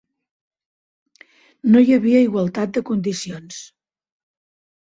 No hi havia igualtat de condicions.